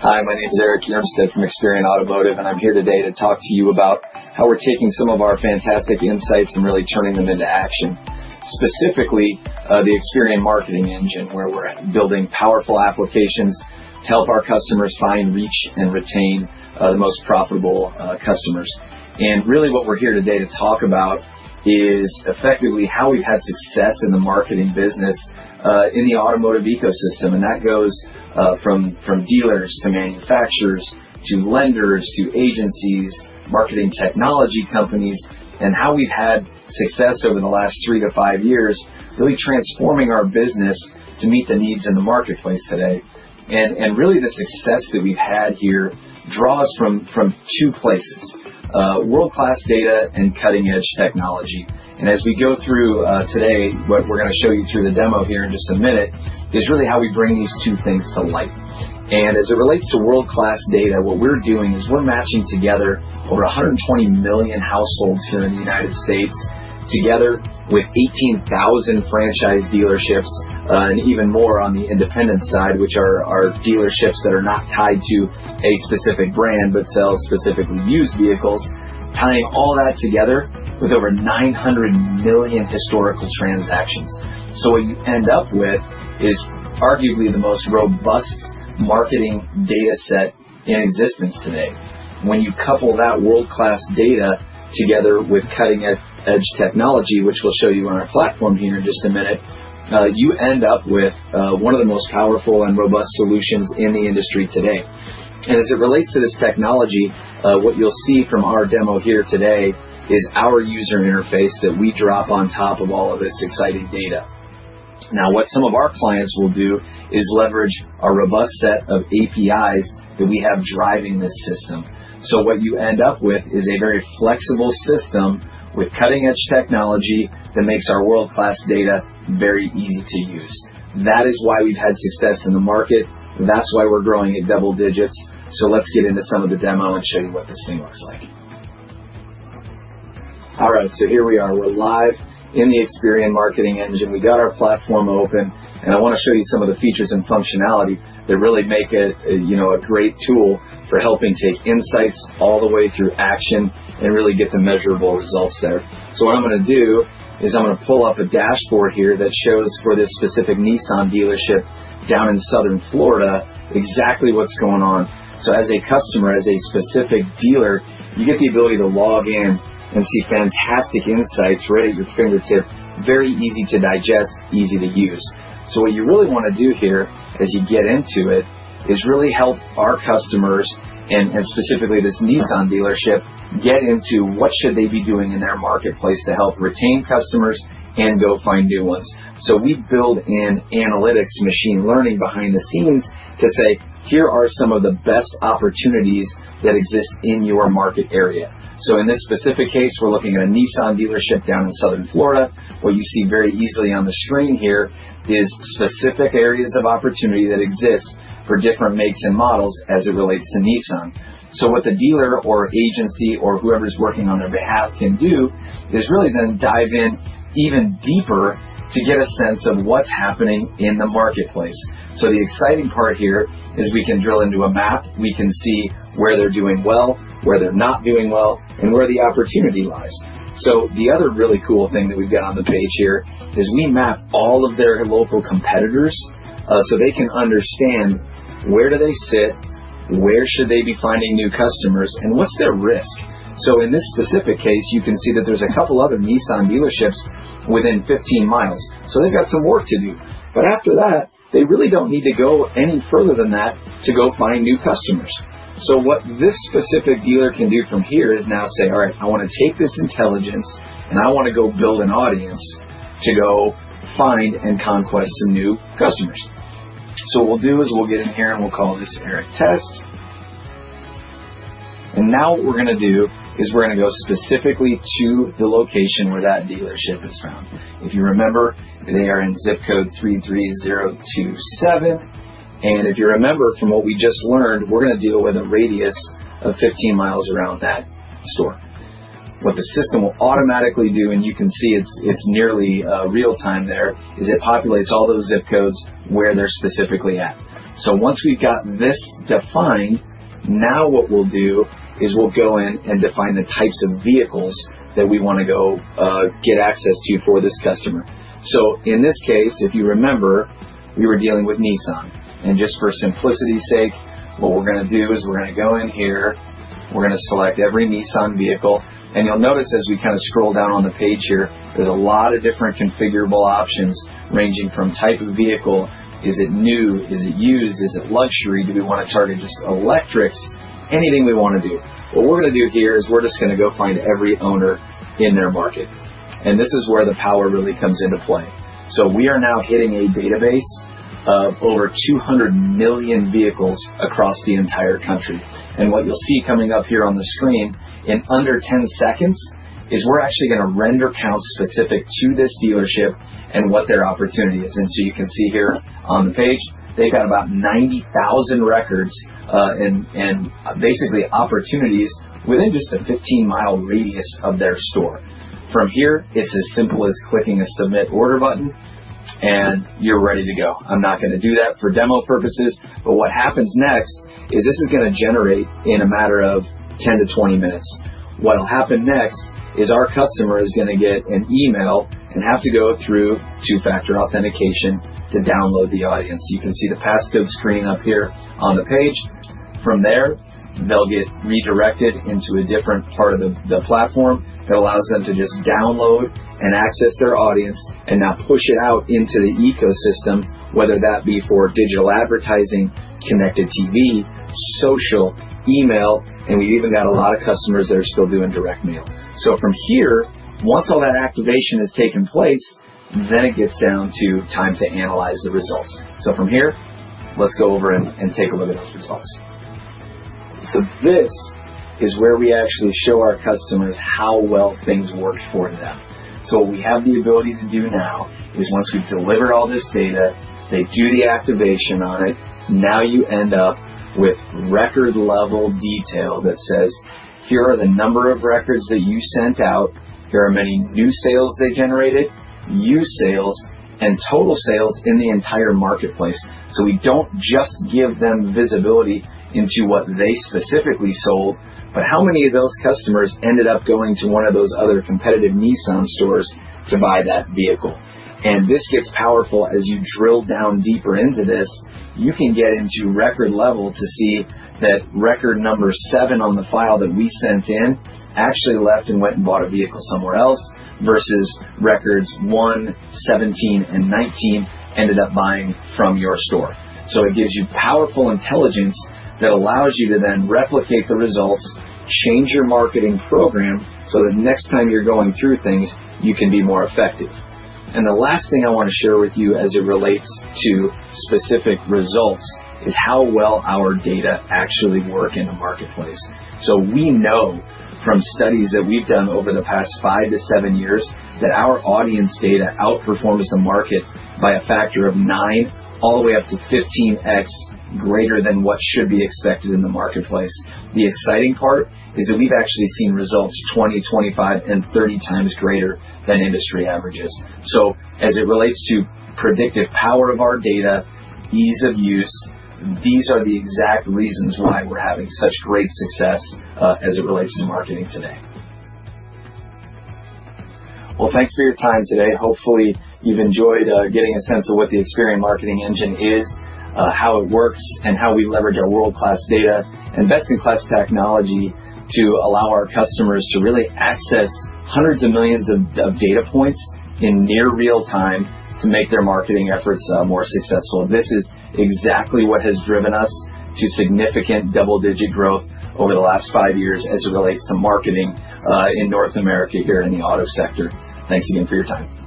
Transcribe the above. Hi, my name is Eric Yarmsted from Experian Automotive, and I'm here today to talk to you about how we're taking some of our fantastic insights and really turning them into action. Specifically, the Experian Marketing Engine, where we're building powerful applications to help our customers find, reach, and retain the most profitable customers and really what we're here today to talk about is effectively how we've had success in the marketing business in the automotive ecosystem. And that goes from dealers to manufacturers to lenders to agencies, marketing technology companies, and how we've had success over the last three to five years, really transforming our business to meet the needs in the marketplace today and really the success that we've had here draws from two places: world-class data and cutting-edge technology. As we go through today, what we're going to show you through the demo here in just a minute is really how we bring these two things to light. As it relates to world-class data, what we're doing is we're matching together over 120 million households here in the United States, together with 18,000 franchise dealerships and even more on the independent side, which are dealerships that are not tied to a specific brand but sell specifically used vehicles, tying all that together with over 900 million historical transactions. What you end up with is arguably the most robust marketing data set in existence today. When you couple that world-class data together with cutting-edge technology, which we'll show you on our platform here in just a minute, you end up with one of the most powerful and robust solutions in the industry today. And as it relates to this technology, what you'll see from our demo here today is our user interface that we drop on top of all of this exciting data. Now, what some of our clients will do is leverage a robust set of APIs that we have driving this system. So what you end up with is a very flexible system with cutting-edge technology that makes our world-class data very easy to use. That is why we've had success in the market. That's why we're growing at double digits. So let's get into some of the demo and show you what this thing looks like. All right, so here we are. We're live in the Experian Marketing Engine. We got our platform open, and I want to show you some of the features and functionality that really make it a great tool for helping take insights all the way through action and really get the measurable results there. So what I'm going to do is I'm going to pull up a dashboard here that shows for this specific Nissan dealership down in Southern Florida exactly what's going on. So as a customer, as a specific dealer, you get the ability to log in and see fantastic insights right at your fingertips, very easy to digest, easy to use. So what you really want to do here as you get into it is really help our customers and specifically this Nissan dealership get into what should they be doing in their marketplace to help retain customers and go find new ones. So we build in analytics, machine learning behind the scenes to say, "Here are some of the best opportunities that exist in your market area." So in this specific case, we're looking at a Nissan dealership down in Southern Florida. What you see very easily on the screen here is specific areas of opportunity that exist for different makes and models as it relates to Nissan. So what the dealer or agency or whoever's working on their behalf can do is really then dive in even deeper to get a sense of what's happening in the marketplace. So the exciting part here is we can drill into a map. We can see where they're doing well, where they're not doing well, and where the opportunity lies. So the other really cool thing that we've got on the page here is we map all of their local competitors so they can understand where do they sit, where should they be finding new customers, and what's their risk. So in this specific case, you can see that there's a couple other Nissan dealerships within 15 miles. So they've got some work to do. But after that, they really don't need to go any further than that to go find new customers. So what this specific dealer can do from here is now say, "All right, I want to take this intelligence, and I want to go build an audience to go find and conquest some new customers." So what we'll do is we'll get in here, and we'll call this Eric Test. And now what we're going to do is we're going to go specifically to the location where that dealership is found. If you remember, they are in ZIP code 33027. And if you remember from what we just learned, we're going to deal with a radius of 15 miles around that store. What the system will automatically do, and you can see it's nearly real-time there, is it populates all those ZIP codes where they're specifically at. So once we've got this defined, now what we'll do is we'll go in and define the types of vehicles that we want to go get access to for this customer. So in this case, if you remember, we were dealing with Nissan. And just for simplicity's sake, what we're going to do is we're going to go in here. We're going to select every Nissan vehicle. And you'll notice as we kind of scroll down on the page here, there's a lot of different configurable options ranging from type of vehicle. Is it new? Is it used? Is it luxury? Do we want to target just electrics? Anything we want to do. What we're going to do here is we're just going to go find every owner in their market. And this is where the power really comes into play. So we are now hitting a database of over 200 million vehicles across the entire country. And what you'll see coming up here on the screen in under 10 seconds is we're actually going to render counts specific to this dealership and what their opportunity is. And so you can see here on the page, they've got about 90,000 records and basically opportunities within just a 15-mile radius of their store. From here, it's as simple as clicking a submit order button, and you're ready to go. I'm not going to do that for demo purposes. But what happens next is this is going to generate in a matter of 10-20 minutes. What'll happen next is our customer is going to get an email and have to go through two-factor authentication to download the audience. You can see the passcode screen up here on the page. From there, they'll get redirected into a different part of the platform that allows them to just download and access their audience and now push it out into the ecosystem, whether that be for digital advertising, connected TV, social, email, and we've even got a lot of customers that are still doing direct mail. From here, once all that activation has taken place, then it gets down to time to analyze the results. From here, let's go over and take a look at those results. This is where we actually show our customers how well things worked for them. What we have the ability to do now is once we deliver all this data, they do the activation on it. Now you end up with record-level detail that says, "Here are the number of records that you sent out. Here are how many new sales they generated, used sales, and total sales in the entire marketplace." We don't just give them visibility into what they specifically sold, but how many of those customers ended up going to one of those other competitive Nissan stores to buy that vehicle. This gets powerful as you drill down deeper into this. You can get into record level to see that record number seven on the file that we sent in actually left and went and bought a vehicle somewhere else versus records one, 17, and 19 ended up buying from your store. So it gives you powerful intelligence that allows you to then replicate the results, change your marketing program so that next time you're going through things, you can be more effective. And the last thing I want to share with you as it relates to specific results is how well our data actually work in the marketplace. So we know from studies that we've done over the past five to seven years that our audience data outperforms the market by a factor of nine, all the way up to 15X greater than what should be expected in the marketplace. The exciting part is that we've actually seen results 20, 25, and 30 times greater than industry averages. So as it relates to predictive power of our data, ease of use, these are the exact reasons why we're having such great success as it relates to marketing today. Well, thanks for your time today. Hopefully, you've enjoyed getting a sense of what the Experian Marketing Engine is, how it works, and how we leverage our world-class data and best-in-class technology to allow our customers to really access hundreds of millions of data points in near real time to make their marketing efforts more successful. This is exactly what has driven us to significant double-digit growth over the last five years as it relates to marketing in North America here in the auto sector. Thanks again for your time.